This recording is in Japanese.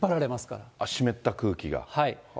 湿った空気が。